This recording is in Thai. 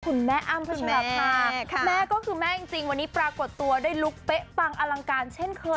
คุณแม่อ้ำคุณสำหรับค่ะแม่ก็คือแม่จริงวันนี้ปรากฏตัวได้ลุกเป๊ะปังอลังการเช่นเคย